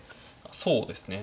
そうですね。